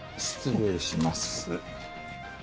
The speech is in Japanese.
失礼します。